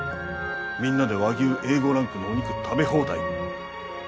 「みんなで和牛Ａ５ランクのお肉食べ放題！」